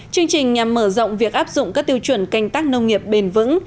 chương trình nhằm mở rộng việc áp dụng các tiêu chuẩn canh tác nông nghiệp bền vững